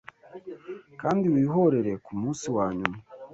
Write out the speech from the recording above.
Kandi wihorere kumunsi wanyuma